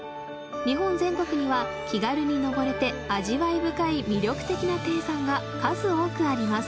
日本全国には気軽に登れて味わい深い魅力的な低山が数多くあります。